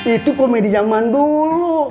itu komedi nyaman dulu